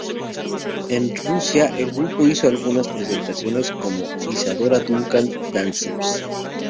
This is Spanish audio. En Rusia, el grupo hizo algunas presentaciones como "Isadora Duncan Dancers".